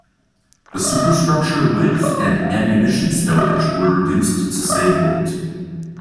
The superstructure width and ammunition stowage were reduced to save weight.